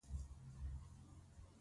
څو دقیقې وروسته د زړه عملیات لرم